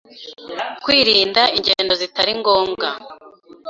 kwirinda ingendo zitari ngombwa